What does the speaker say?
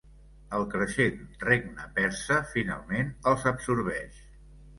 El creixent regne persa finalment els absorbeix.